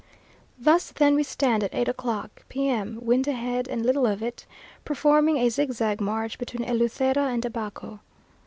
Thus then we stand at eight o'clock, P.M.; wind ahead, and little of it, performing a zigzag march between Eleuthera and Abaco.